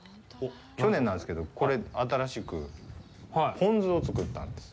去年なんですけど、これ、新しくぽん酢を作ったんです。